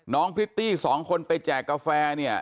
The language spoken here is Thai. น้องพฤติสองคนไปแจกกาแฟเนี่ย